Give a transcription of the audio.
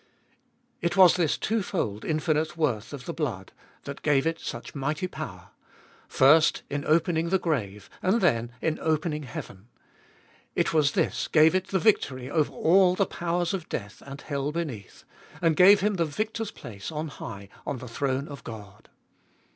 It was this twofold infinite worth of the blood that gave it tTbe iboltest ot Bll 301 such mighty power — first, in opening the grave, and then in opening heaven. It was this gave it the victory over all the powers of death and hell beneath, and gave Him the victor's place on high on the throne of God.